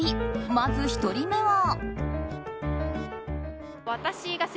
まず１人目は。